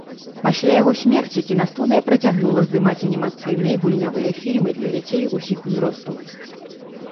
Пасля яго смерці кінастудыя працягнула здымаць анімацыйныя і гульнявыя фільмы для дзяцей усіх узростаў.